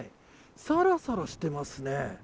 さらさらしてますね。